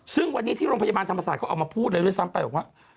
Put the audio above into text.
ซึ่งวันนี้ที่โรงพยาบาลธรรมศาสตร์เขาออกมาพูดเลยด้วยซ้ำไปบอกว่า